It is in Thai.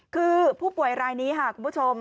คือผู้ป่วยรายนี้ค่ะคุณผู้ชม